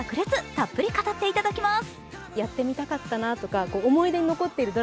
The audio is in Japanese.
たっぷり語っていただきます。